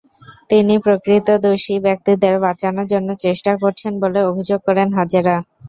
তিনি প্রকৃত দোষী ব্যক্তিদের বাঁচানোর জন্য চেষ্টা করছেন বলে অভিযোগ করেন হাজেরা।